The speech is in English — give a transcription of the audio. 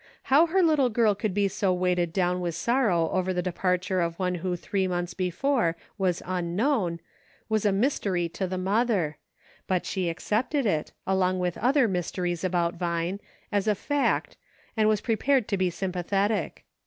How her little girl could be so weighted down with sorrow over the departure of one who three months before was unknown, was a mystery to the mother ; but she accepted it, along with other mysteries about Vine, as a fact, and was prepared to be sympathetic.